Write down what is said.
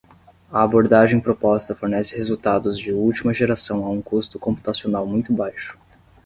A abordagem proposta fornece resultados de última geração a um custo computacional muito baixo.